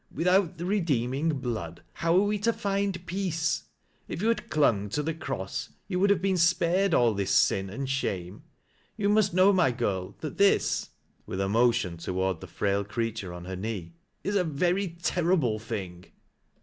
"Without the redeemmg blood hi>w are we to find peace? If you had clung tc the Cross you would have been spared all this sin and shame You must know, my girl, that this," with a motion 56 THAT LASS 0' LOWRWh. toward the frail creature on her knee, "is a very terribie thing."